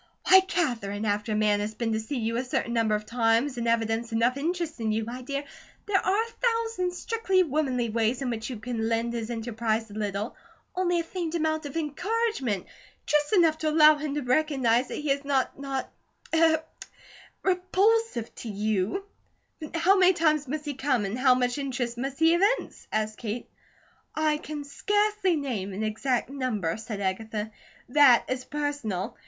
Why, Katherine, after a man has been to see you a certain number of times, and evidenced enough interest in you, my dear, there are a thousand strictly womanly ways in which you can lend his enterprise a little, only a faint amount of encouragement, just enough to allow him to recognize that he is not not er repulsive to you." "But how many times must he come, and how much interest must he evince?" asked Kate. "I can scarcely name an exact number," said Agatha. "That is personal.